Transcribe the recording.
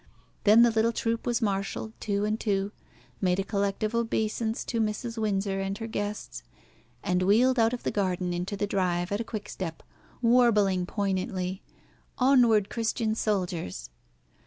Then the little troop was marshalled two and two, made a collective obeisance to Mrs. Windsor and her guests, and wheeled out of the garden into the drive at a quick step, warbling poignantly, "Onward, Christian Soldiers."